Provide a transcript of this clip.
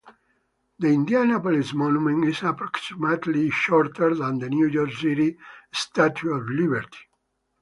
The Indianapolis monument is approximately shorter than New York City's Statue of Liberty.